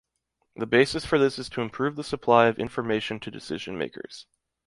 The basis for this is to improve the supply of information to decision-makers.